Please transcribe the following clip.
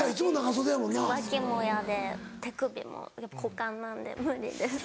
そう脇も嫌で手首もやっぱ股間なんで無理です。